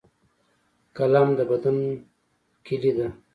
قلم د بدلون کلۍ ده